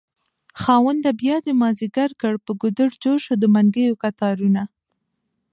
خاونده بيادی مازد يګر کړ په ګودر جوړشو دمنګيو کتارونه